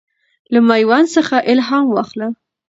له میوند څخه الهام واخله.